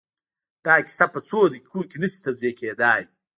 دا کيسه په څو دقيقو کې نه شي توضيح کېدای.